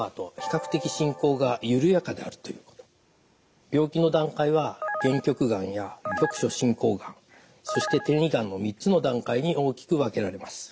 特徴としては病気の段階は限局がんや局所進行がんそして転移がんの３つの段階に大きく分けられます。